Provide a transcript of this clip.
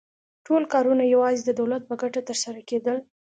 ټول کارونه یوازې د دولت په ګټه ترسره کېدل